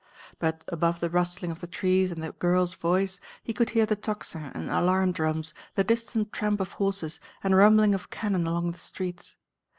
But above the rustling of the trees and the girl's voice, he could hear the tocsin and alarm drums, the distant tramp of horses, and rumbling of cannon along the streets.